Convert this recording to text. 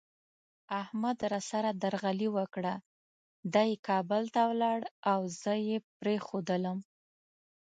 احمد را سره درغلي وکړه، دی کابل ته ولاړ او زه یې پرېښودلم.